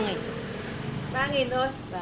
ba nghìn thôi